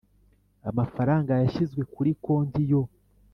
amafaranga yashyizwe kuri konti yo